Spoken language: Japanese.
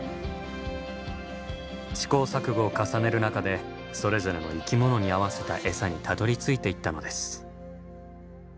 試行錯誤を重ねる中でそれぞれの生き物に合わせた餌にたどりついていったのです。